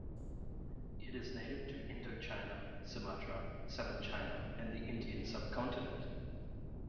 It is native to Indochina, Sumatra, southern China, and the Indian Subcontinent.